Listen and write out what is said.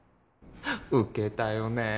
ウケたよね。